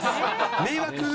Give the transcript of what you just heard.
迷惑。